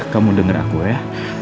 kamu denger aku ya